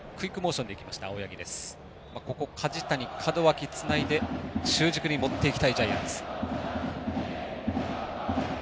梶谷、門脇つないで中軸に持っていきたいジャイアンツ。